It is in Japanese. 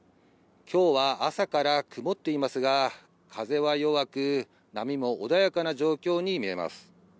今日は朝から曇っていますが、風は弱く、波も穏やかな状況に見えます。